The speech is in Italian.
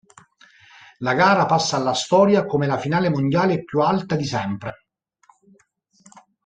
La gara passa alla storia come la finale mondiale più alta di sempre.